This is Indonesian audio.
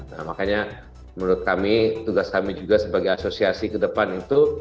nah makanya menurut kami tugas kami juga sebagai asosiasi ke depan itu